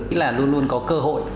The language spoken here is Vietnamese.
ý là luôn luôn có cơ hội